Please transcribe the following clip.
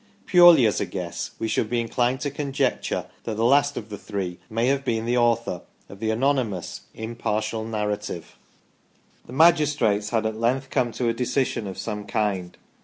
Purely as a guess, we should be inclined to conjecture that the last of the three may have been the author of the anonymous " Impartial Narrative ". 26 THE STORY OF PETERLOO The magistrates had at length come to a decision of some kind.